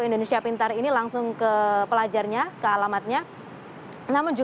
tentu saja ini bisa penuh dengan hari ini